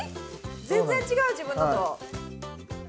全然違う、自分のと。